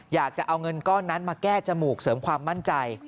อยากจะเอาเงินก้อนนั้นมาแก้จมูกเสริมความมั่นใจ